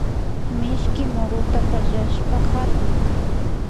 Mishki muruta pallashpa hatuy